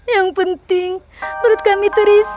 yang penting perut kami terisi